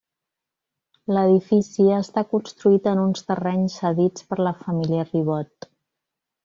L'edifici està construït en uns terrenys cedits per la família Ribot.